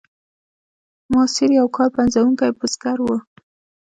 ماسیر یو کار پنځوونکی بزګر و.